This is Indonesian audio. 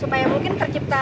supaya mungkin tercipta